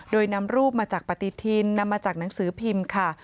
โดยนำรูปมาจากปฏิทินนำมาจากหนังสือพิมพ์ค่ะ